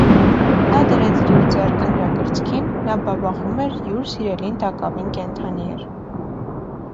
Նա դրեց յուր ձեռքը նրա կրծքին,- նա բաբախում էր,- յուր սիրելին տակավի՜ն կենդանի էր…